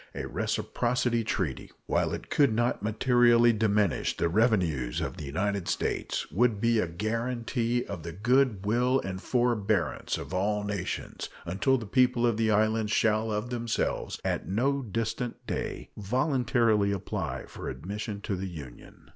A reciprocity treaty, while it could not materially diminish the revenues of the United States, would be a guaranty of the good will and forbearance of all nations until the people of the islands shall of themselves, at no distant day, voluntarily apply for admission into the Union.